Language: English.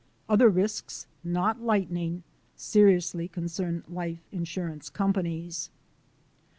Other risks, not lightning, seriously concern life insurance companies.